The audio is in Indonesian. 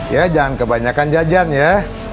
ya jangan kebanyakan jajan ya